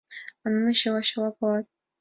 А нуно чыла-чыла палат.